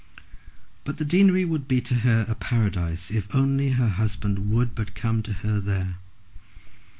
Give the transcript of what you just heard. But the deanery would be to her a paradise if only her husband would but come to her there.